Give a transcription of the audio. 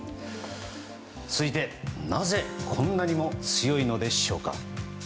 続いて、なぜこんなにも強いのでしょうか。